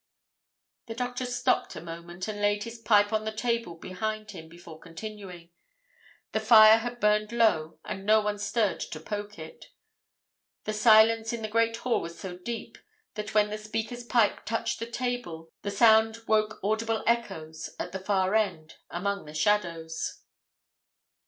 The doctor stopped a moment and laid his pipe on the table behind him before continuing. The fire had burned low, and no one stirred to poke it. The silence in the great hall was so deep that when the speaker's pipe touched the table the sound woke audible echoes at the far end among the shadows.